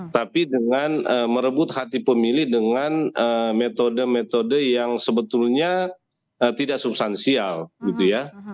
tapi dengan merebut hati pemilih dengan metode metode yang sebetulnya tidak substansial gitu ya